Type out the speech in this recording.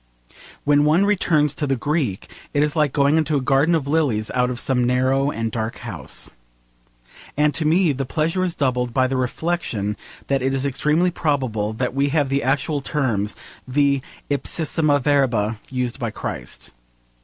When one returns to the Greek; it is like going into a garden of lilies out of some, narrow and dark house. And to me, the pleasure is doubled by the reflection that it is extremely probable that we have the actual terms, the ipsissima verba, used by Christ.